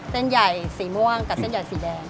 เส้นใหญ่สีม่วงกับเส้นใหญ่สีแดง